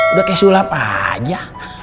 udah kayak sulap aja